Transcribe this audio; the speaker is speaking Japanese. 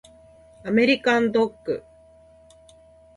アメリカンドッグ